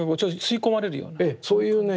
そういうね